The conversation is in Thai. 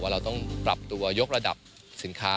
เราต้องปรับตัวยกระดับสินค้า